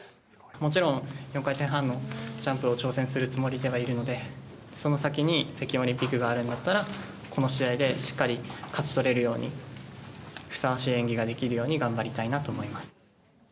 もちろん４回転半のジャンプを挑戦するつもりではいるので、その先に北京オリンピックがあるんだったら、この試合でしっかり勝ち取れるように、ふさわしい演技ができるように頑張りたいなと思います。